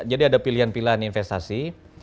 jadi ada pilihan pilihan investasi